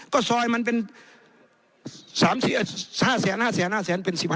ก็ซอยมันเป็นสามแสนห้าแสนห้าแสนห้าแสน